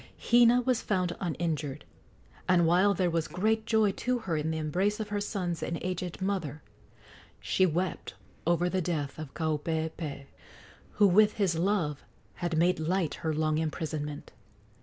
Hina was found uninjured, and, while there was great joy to her in the embrace of her sons and aged mother, she wept over the death of Kaupeepee, who with his love had made light her long imprisonment.